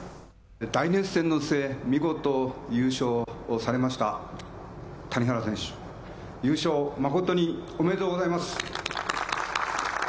大熱戦の末、見事優勝されました谷原選手、優勝、誠におめでとうございます。